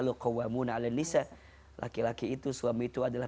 laki laki itu suami itu adalah